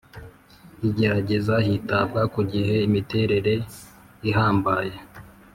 Igerageza hitabwa ku gihe imiterere ihambaye